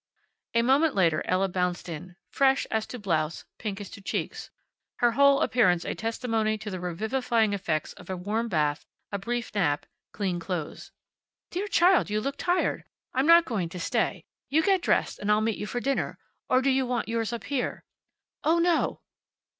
A moment later Ella bounced in, fresh as to blouse, pink as to cheeks, her whole appearance a testimony to the revivifying effects of a warm bath, a brief nap, clean clothes. "Dear child, you look tired. I'm not going to stay. You get dressed and I'll meet you for dinner. Or do you want yours up here?" "Oh, no!"